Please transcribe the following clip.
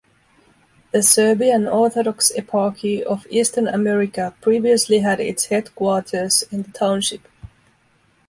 The Serbian Orthodox Eparchy of Eastern America previously had its headquarters in the township.